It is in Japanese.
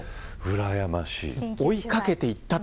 うらやましい。